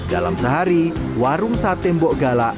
dalam sehari warung sate mbok galak